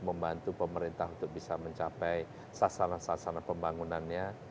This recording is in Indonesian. membantu pemerintah untuk bisa mencapai sasaran sasaran pembangunannya